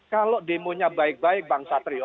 kalau demonya baik baik bang satrio